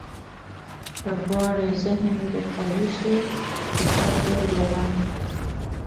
• که غواړې ذهن دې قوي شي، کتاب ولوله.